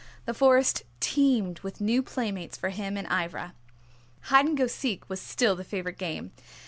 The Forest teemed with new playmates for him and Ivra. Hide and go seek was still the favorite game.